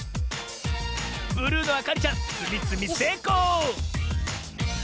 ブルーのあかりちゃんつみつみせいこう！